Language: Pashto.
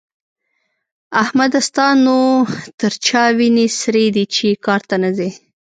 احمده! ستا نو تر چا وينې سرې دي چې کار ته نه ځې؟